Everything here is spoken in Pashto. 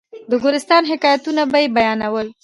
د ګلستان حکایتونه به یې بیانول.